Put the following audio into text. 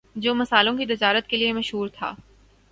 جو مسالوں کی تجارت کے لیے مشہور تھا